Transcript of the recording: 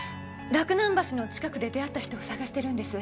洛南橋の近くで出会った人を捜してるんです。